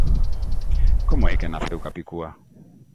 Como é que naceu Capicua?